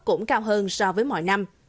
cũng cao hơn so với mọi năm